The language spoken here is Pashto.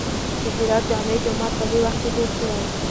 د هرات جامع جومات په دې وخت کې جوړ شوی.